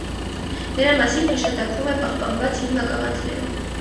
Նրա մասին հիշատակվում է պահպանված հին մագաղաթներում։